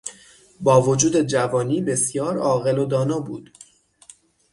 با وجود جوانی بسیار عاقل و دانا بود.